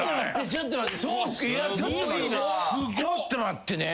ちょっと待ってね。